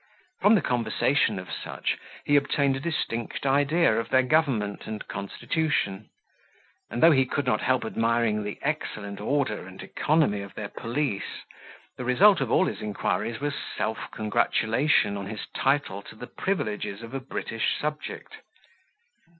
From the conversation of such, he obtained a distinct idea of their government and constitution; and though he could not help admiring the excellent order and economy of their police, the result of all his inquiries was self congratulation on his title to the privileges of a British subject.